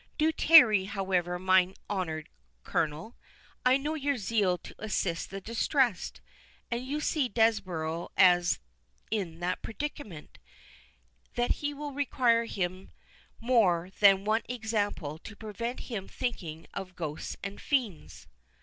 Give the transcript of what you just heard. "Do tarry, however, mine honoured Colonel—I know your zeal to assist the distressed, and you see Desborough is in that predicament, that he will require near him more than one example to prevent him thinking of ghosts and fiends."